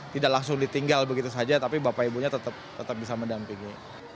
tidak langsung ditinggal begitu saja tapi bapak ibunya tetap bisa mendampingi